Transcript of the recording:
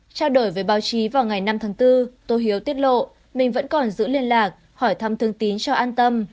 trao đổi với báo chí vào ngày năm tháng bốn tô hiếu tiết lộ mình vẫn còn giữ liên lạc hỏi thăm thương tín cho an tâm